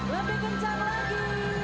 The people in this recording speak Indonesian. lebih kencang lagi